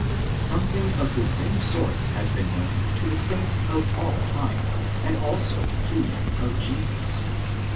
Something of the same sort has been known to the saints of all time, and also to men of genius.